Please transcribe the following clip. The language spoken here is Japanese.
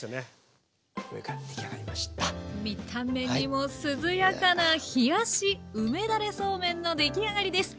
見た目にも涼やかな冷やし梅だれそうめんのできあがりです。